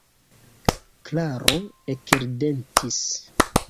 Klaro ekridetis.